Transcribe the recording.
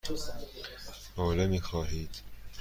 حوله می خواهید؟